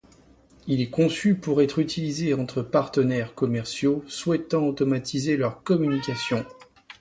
Il est conçu pour être utilisé entre partenaires commerciaux souhaitant automatiser leurs communications.